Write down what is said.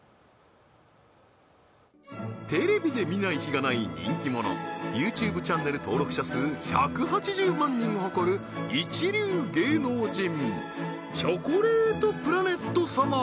テレビで見ない日がない人気者ＹｏｕＴｕｂｅチャンネル登録者数１８０万人を誇る一流芸能人チョコレートプラネット様